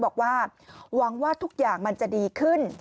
บอกว่าหวังว่าทุกอย่างมันจะดีขึ้น